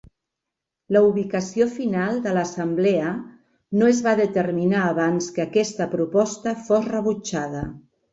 La ubicació final de l'assemblea no es va determinar abans que aquesta proposta fos rebutjada.